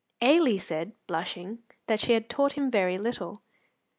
Ailie said, blushing, that she had taught him very little.